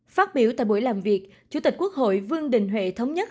phát biểu tại buổi làm việc chủ tịch quốc hội vương đình huệ thống nhất